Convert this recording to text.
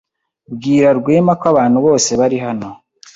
Bwira Rwema ko abantu bose bari hano.